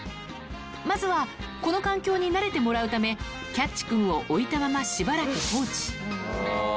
まずはこの環境に慣れてもらうため、キャッチくんを置いたまましばらく放置。